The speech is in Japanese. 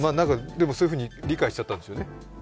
でもそういうふうに理解しちゃったんですよね。